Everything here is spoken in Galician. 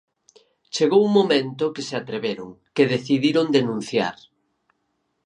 Chegou un momento que se atreveron, que decidiron denunciar.